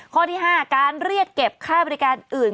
ข้อที่๕การเรียกเก็บค่าบริการอื่น